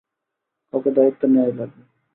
কাউকে দায়িত্ব নেয়াই লাগবে।